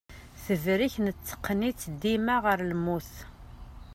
Tebrek netteqqen-itt dima ɣer lmut.